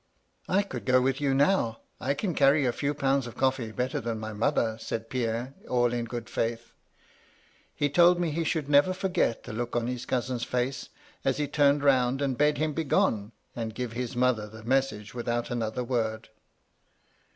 "*I could go with you now. I can carry a few pounds of coffee better than my mother,' said Pierre, all in good faith. He told me he should never forget the look on his cousin's fece, as he turned round, and bade him begone, and give his mother the 166 MY LADY LUDLOW. message without another word.